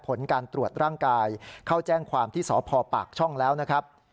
ผลการตรวจร่างกายเข้าแจ้งความที่สพปากช่องแล้วนะครับ